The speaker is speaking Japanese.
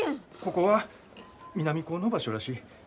ここは南高の場所らしい。